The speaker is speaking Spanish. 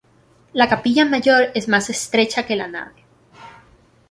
La Capilla Mayor es más estrecha que la nave.